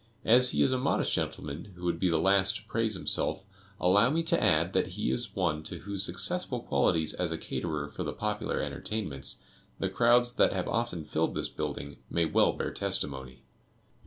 As he is a modest gentleman, who would be the last to praise himself, allow me to add that he is one to whose successful qualities as a caterer for the popular entertainments, the crowds that have often filled this building may well bear testimony.